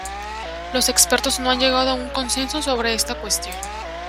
Los expertos no han llegado a un consenso sobre esta cuestión.